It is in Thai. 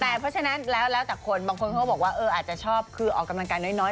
แต่เพราะฉะนั้นแล้วแต่คนบางคนเขาบอกว่าอาจจะชอบคือออกกำลังกายน้อย